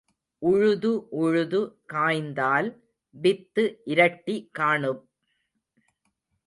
உழுது உழுது காய்ந்தால் வித்து இரட்டி காணும்.